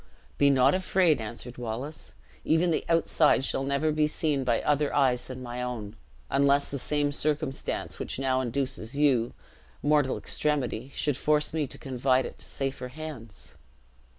"Be not afraid," answered Wallace; "even the outside shall never be seen by other eyes than my own, unless the same circumstance which now induces you, mortal extremity, should force me to confide it to safer hands."